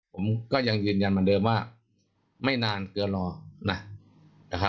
ผมก็ยังยืนยันเหมือนเดิมว่าไม่นานเกินรอนะครับ